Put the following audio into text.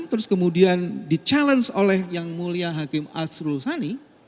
terus kemudian di challenge oleh yang mulia hakim asrul sani